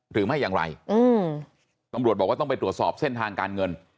หรือไม่อย่างไรอืมตำรวจบอกว่าต้องไปตรวจสอบเส้นทางการเงิน